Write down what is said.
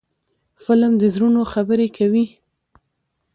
فلم د زړونو خبرې کوي